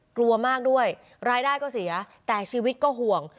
กลัวมากด้วยรายได้ก็เสียแต่ชีวิตก็ห่วง